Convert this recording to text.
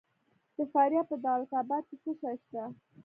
د فاریاب په دولت اباد کې څه شی شته؟